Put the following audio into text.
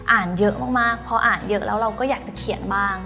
อ่านเยอะมากพออ่านเยอะแล้วเราก็อยากจะเขียนบ้าง